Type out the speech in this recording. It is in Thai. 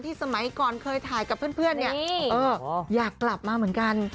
สมัยก่อนเคยถ่ายกับเพื่อนเนี่ยอยากกลับมาเหมือนกัน